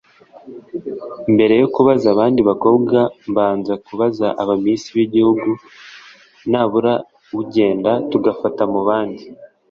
Mbere yo kubaza abandi bakobwa mbanza kubaza aba Miss b’igihugu nabura ugenda tugafata mu bandi